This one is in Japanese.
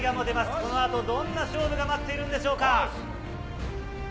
このあとどんな勝負が待っているんでしょうか。